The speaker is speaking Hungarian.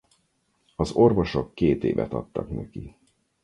Az orvosok két évet adtak neki.